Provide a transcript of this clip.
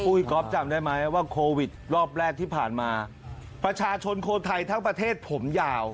ก๊อฟจำได้ไหมว่าโควิดรอบแรกที่ผ่านมาประชาชนคนไทยทั้งประเทศผมยาว